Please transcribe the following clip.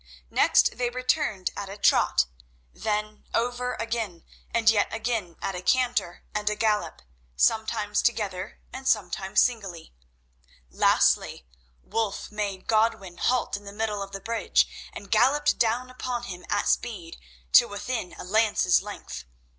Next they returned at a trot, then over again, and yet again at a canter and a gallop, sometimes together and sometimes singly. Lastly, Wulf made Godwin halt in the middle of the bridge and galloped down upon him at speed, till within a lance's length.